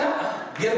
apakah ini berhasil